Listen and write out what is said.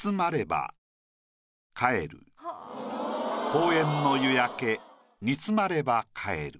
「公園の夕焼煮詰まれば帰る」。